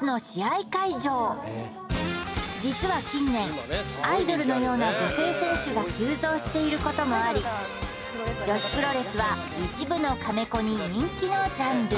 実は近年アイドルのような女性選手が急増していることもあり女子プロレスは一部のカメコに人気のジャンル